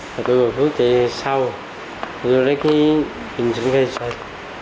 tụi tôi phước thì sau rồi lấy cái hình sản khai xài